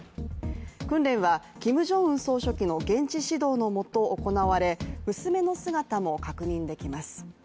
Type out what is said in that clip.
訓練は、キム・ジョンウン総書記の現地指導の下、行われ娘の姿も確認できます。